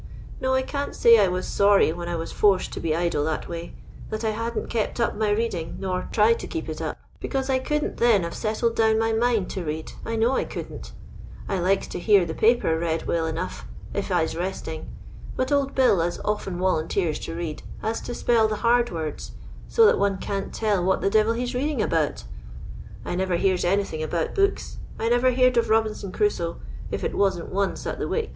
"No, I can't say I was sorry when I was forced to be idle that way, that I hadn't kept up my reading, nor tried to keep it up, because I couldn't then have settled down my mind to read ; I know I couldn't I likes to hear the paper read well enough, if I's resting; but old Bill, as often wolunteers to read, has to spell the hard words so, that one can't toll what the devil he 's reading about I never hecrs anything about books ; I never heered of Robinson Crusoe, if it wasn't once at the Wic.